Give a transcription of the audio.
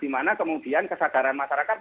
di mana kemudian kesadaran masyarakat